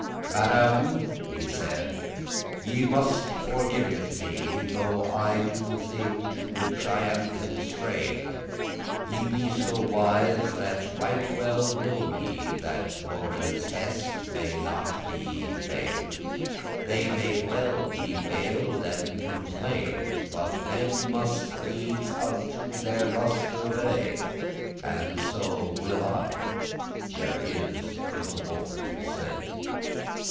"Madam," he said, "ye must forgive it me, Though I do thing to which I am constrain'd; Ye be so wise, that right well knowe ye *That lordes' hestes may not be y feign'd;* *see note <9>* They may well be bewailed and complain'd, But men must needs unto their lust* obey; *pleasure And so will I, there is no more to say.